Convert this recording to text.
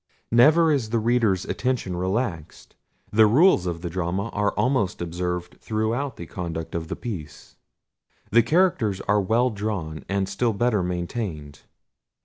Never is the reader's attention relaxed. The rules of the drama are almost observed throughout the conduct of the piece. The characters are well drawn, and still better maintained.